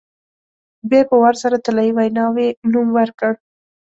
بیا یې په وار سره طلایي ویناوی نوم ورکړ.